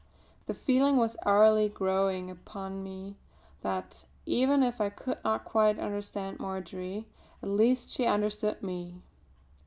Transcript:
The feeling was hourly growing upon me that, even if I could not quite understand Marjory, at least she understood me.